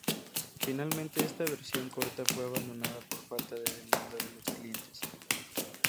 Finalmente esta versión corta fue abandonada por falta de demanda de los clientes.